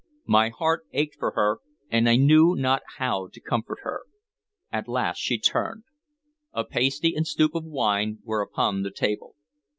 My heart ached for her, and I knew not how to comfort her. At last she turned. A pasty and stoup of wine were upon the table.